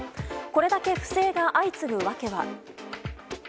これだけ不正が相次ぐ訳は。